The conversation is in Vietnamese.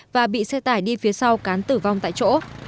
và bị xe tải đi phía sau cán tử vong tại chỗ